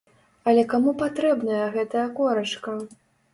Але каму патрэбная гэтая корачка!